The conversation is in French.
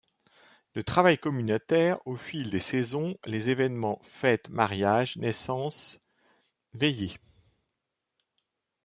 Le travail communautaire, au fil des saisons, les évènements, fêtes, mariages, naissances, veillées.